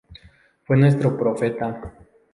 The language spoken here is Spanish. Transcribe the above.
Fue nuestro profeta.